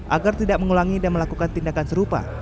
agar tidak mengulangi dan melakukan tindakan serupa